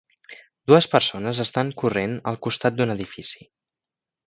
Dues persones estan corrent al costat d'un edifici.